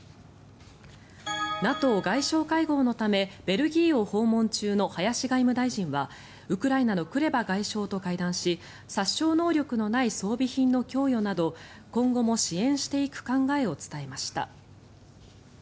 ＮＡＴＯ外相会合のためベルギーを訪問中の林外務大臣はウクライナのクレバ外相と会談し殺傷能力のない装備品の供与など今後も支援していく考えを伝えました。